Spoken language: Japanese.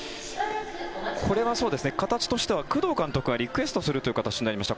これは形としては工藤監督がリクエストするという形になりました。